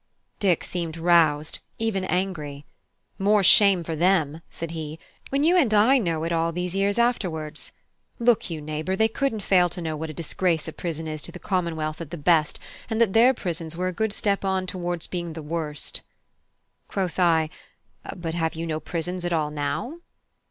Dick seemed roused, and even angry. "More shame for them," said he, "when you and I know it all these years afterwards. Look you, neighbour, they couldn't fail to know what a disgrace a prison is to the Commonwealth at the best, and that their prisons were a good step on towards being at the worst." Quoth I: "But have you no prisons at all now?"